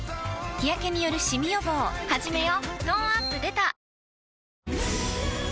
日やけによるシミ予防始めよ？